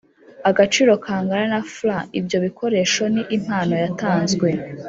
agaciro kangana na Frw ibyo bikoresho ni impano yatanzwe